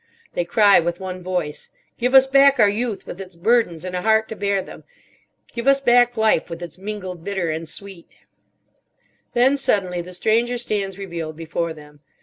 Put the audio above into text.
They cry with one voice, "Give us back our Youth with its burdens, and a heart to bear them! Give us back Life with its mingled bitter and sweet!" Then suddenly the Stranger stands revealed before them.